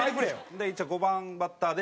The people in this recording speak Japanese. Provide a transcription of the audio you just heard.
で一応５番バッターで。